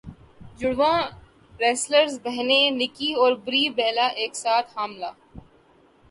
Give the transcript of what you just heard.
جڑواں wrestler بہنیں Nikki اور بری بیلا ایک ساتھ حاملہ